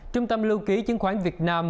trung tâm lưu ký chứng khoán việt nam